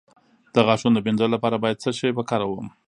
د غاښونو د مینځلو لپاره باید څه شی وکاروم؟